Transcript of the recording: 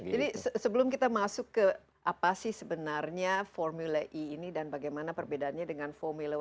jadi sebelum kita masuk ke apa sih sebenarnya formula e ini dan bagaimana perbedaannya dengan formula satu